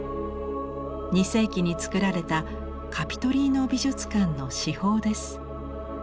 ２世紀に作られたカピトリーノ美術館の至宝です。